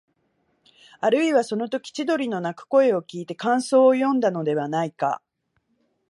あるいは、そのとき千鳥の鳴く声をきいて感想をよんだのではないか、